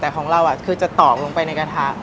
แต่ของเราคือจะตอกลงไปในกระทะ